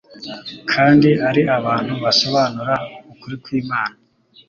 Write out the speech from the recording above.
kandi ari abantu basobanura ukuri kw'Imana.